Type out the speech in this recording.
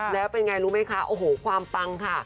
แล้วเป็นไงรู้ไหมคะโอ้โหความปังค่ะ